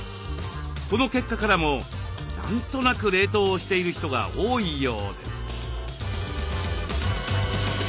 この結果からも何となく冷凍をしている人が多いようです。